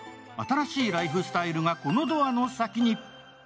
新しいライフスタイルがこのドアの先に。